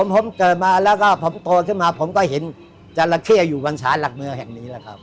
ผมเกิดมาแล้วก็ผมโตขึ้นมาผมก็เห็นจราเข้อยู่บนศาลหลักเมืองแห่งนี้แหละครับ